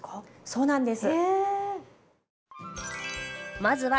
そうなんです。